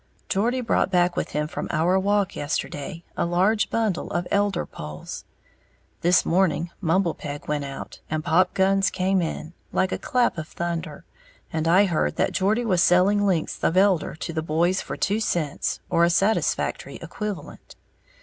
Geordie brought back with him from our walk yesterday a large bundle of elder poles. This morning, mumble peg went out, and pop guns came in, like a clap of thunder, and I heard that Geordie was selling lengths of elder to the boys for two cents, or a satisfactory equivalent.